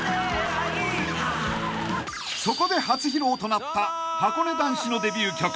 ［そこで初披露となったはこね男子のデビュー曲］